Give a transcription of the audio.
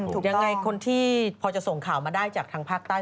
ถูกต้องยังไงคนที่พอจะส่งข่าวมาได้จากภาคใต้